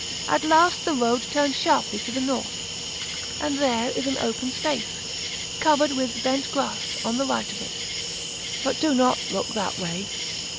At last the road turns sharply to the north, and there is an open space, covered with bent grass, on the right of it: but do not look that way.